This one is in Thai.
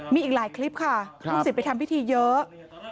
มีอีกหลายคลิปค่ะพรุ่งสิทธิ์ไปทำพิธีเยอะ